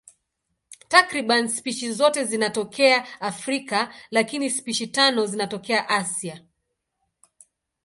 Takriban spishi zote zinatokea Afrika, lakini spishi tano zinatokea Asia.